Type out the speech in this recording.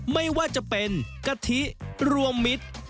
ไม่ว่าจะเป็นกะทิรวมมิตร